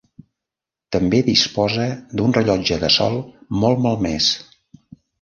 També disposa d'un rellotge de sol molt malmès.